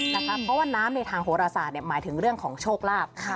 เพราะว่าน้ำในทางโหรศาสตร์หมายถึงเรื่องของโชคลาภ